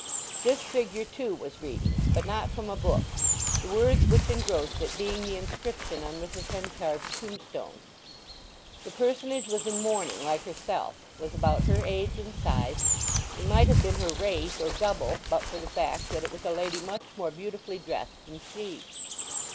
This figure, too, was reading; but not from a book: the words which engrossed it being the inscription on Mrs. Henchard's tombstone. The personage was in mourning like herself, was about her age and size, and might have been her wraith or double, but for the fact that it was a lady much more beautifully dressed than she.